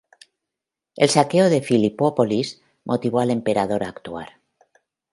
El saqueo de Filipópolis, motivó al emperador a actuar.